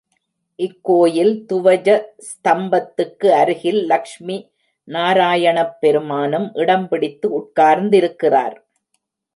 இக்கோயில் துவஜ ஸ்தம்பத்துக்கு அருகில் லக்ஷ்மி நாராயணப் பெருமானும் இடம் பிடித்து உட்கார்ந்திருக்கிறார்.